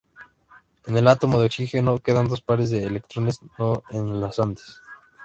En el átomo de oxígeno quedan dos pares de electrones no enlazantes.